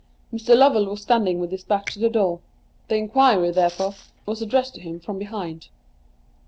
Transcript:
Mr. Lovell was standing with his back to the door. The inquiry, therefore, was addressed to him from behind.